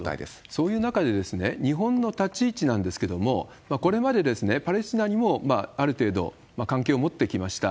そういう中で、日本の立ち位置なんですけれども、これまでパレスチナにもある程度関係を持ってきました。